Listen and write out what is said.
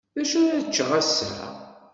D acu ara ččeɣ ass-a?